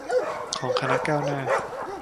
ของคณะก้าวหน้า